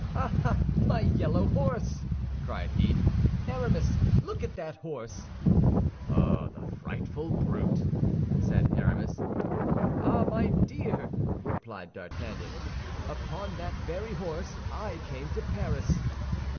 "Ah, my yellow horse," cried he. "Aramis, look at that horse!" "Oh, the frightful brute!" said Aramis. "Ah, my dear," replied D'Artagnan, "upon that very horse I came to Paris."